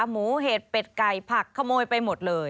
เห็ดเป็ดไก่ผักขโมยไปหมดเลย